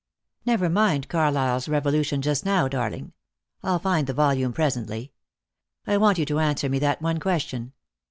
" Never mind Oarlyle's Revolution, just now, darling. I'll find the volume presently. I want you to answer me that one question.